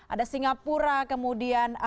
ada singapura kemudian